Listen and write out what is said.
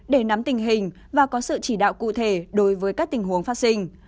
để nắm tình hình và có sự chỉ đạo cụ thể đối với các tình huống phát sinh